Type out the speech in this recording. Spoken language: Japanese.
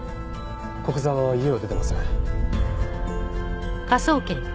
古久沢は家を出てません。